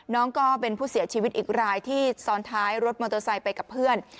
ก็เป็นผู้เสียชีวิตอีกรายที่ซ้อนท้ายรถมอเตอร์ไซค์ไปกับเพื่อน